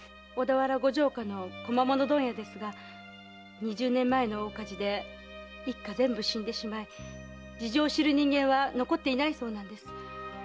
小田原ご城下の小間物問屋ですが二十年前の大火事で一家全部死んでしまい事情を知る人間は残っていないそうです。